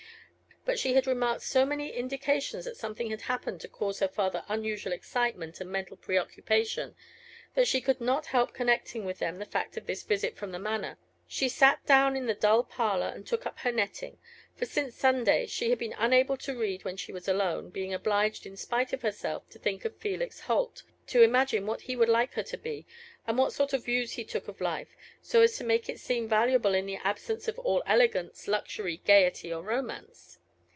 But she had remarked so many indications that something had happened to cause her father unusual excitement and mental preoccupation, that she could not help connecting with them the fact of this visit from the Manor, which he had not mentioned to her. She sat down in the dull parlor and took up her netting; for since Sunday she had felt unable to read when she was alone, being obliged, in spite of herself, to think of Felix Holt to imagine what he would like her to be, and what sort of views he took of life so as to make it seem valuable in the absence of all elegance, luxury, gayety, or romance.